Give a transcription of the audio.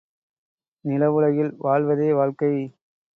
நில உலகில் வாழ்வதே வாழ்க்கை.